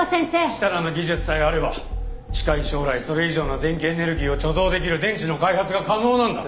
設楽の技術さえあれば近い将来それ以上の電気エネルギーを貯蔵できる電池の開発が可能なんだ。